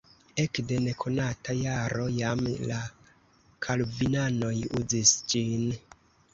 Ekde nekonata jaro jam la kalvinanoj uzis ĝin.